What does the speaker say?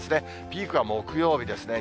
ピークは木曜日ですね。